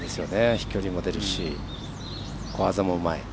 飛距離も出るし小技もうまい。